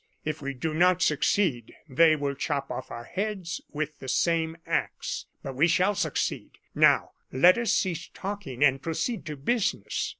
If we do not succeed, they will chop off our heads with the same axe. But we shall succeed. Now, let us cease talking and proceed to business."